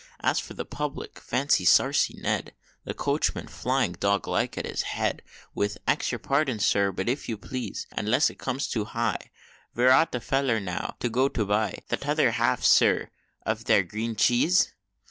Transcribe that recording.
As for the public, fancy Sarcy Ned, The coachman, flying, dog like, at his head, With "Ax your pardon, Sir, but if you please Unless it comes too high Vere ought a feller, now, to go to buy The t'other half, Sir, of that 'ere green cheese?"